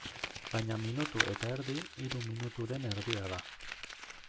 Baina minutu eta erdi, hiru minuturen erdia da.